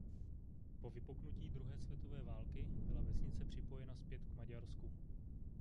Po vypuknutí druhé světové války byla vesnice připojena zpět k Maďarsku.